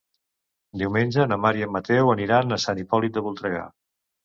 Diumenge na Mar i en Mateu aniran a Sant Hipòlit de Voltregà.